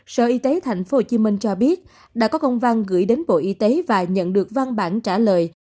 sở y tế tp hcm cho biết đã có công văn gửi đến bộ y tế và nhận được văn bản trả lời